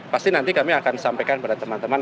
pasti nanti kami akan sampaikan kepada teman teman